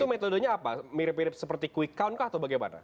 itu metodenya apa mirip mirip seperti quick count kah atau bagaimana